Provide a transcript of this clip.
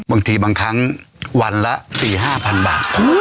บางทีบางครั้งวันละ๔๕๐๐๐บาท